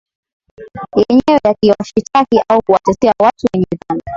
yenyewe yakiwashitaki au kuwatetea watu wenye dhambi